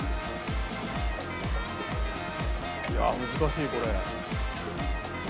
いや難しいこれ。